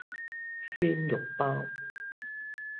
鮮肉包